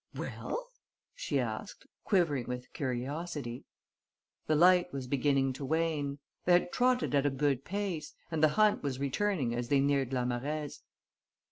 "Well?" she asked, quivering with curiosity. The light was beginning to wane. They had trotted at a good pace; and the hunt was returning as they neared La Marèze.